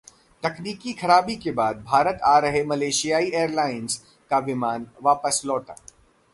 तकनीकी खराबी के बाद भारत आ रहा मलेशियाई एयरलाइंस का विमान वापस लौटा